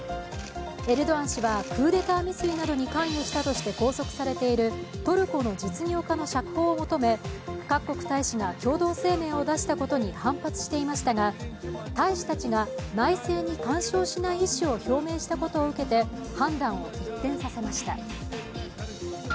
エルドアン氏は、クーデター未遂などに関与したとして拘束されているトルコの実業家の釈放を求め、各国大使が共同声明を出したことに反発していましたが大使たちが内政に干渉しない意思を表明したことを受けて判断を一転させました。